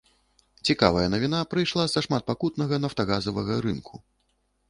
Цікавая навіна прыйшла са шматпакутнага нафтагазавага рынку.